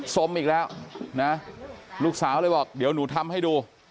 สมอีกแล้วนะลูกสาวเลยบอกเดี๋ยวหนูทำให้ดู